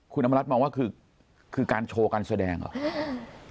คุณอำรับมองว่าคือการโชว์การแสดงเหรอ